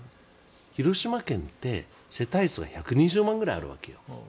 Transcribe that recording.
広島県って世帯数が１２０万くらいあるわけよ。